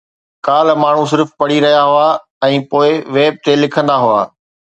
ڪالهه، ماڻهو صرف پڙهي رهيا هئا ۽ پوءِ ويب تي لکندا هئا